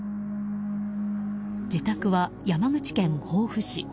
自宅は山口県防府市。